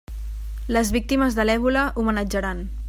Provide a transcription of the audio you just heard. Les víctimes de l'èbola, homenatjaran!